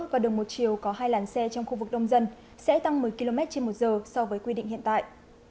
và đường một chiều có hai làn xe trong khu vực đông dân sẽ tăng một mươi km trên một giờ so với quy định hiện tại